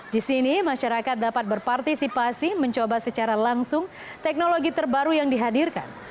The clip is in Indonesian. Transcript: di sini masyarakat dapat berpartisipasi mencoba secara langsung teknologi terbaru yang dihadirkan